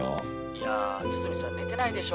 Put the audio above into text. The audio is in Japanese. いやぁ筒見さん寝てないでしょ。